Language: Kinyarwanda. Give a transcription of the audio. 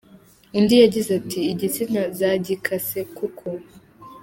Undi yagize ati “Igitsina zagikase kuko.